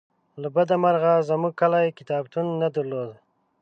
له بده مرغه زمونږ کلي کتابتون نه درلوده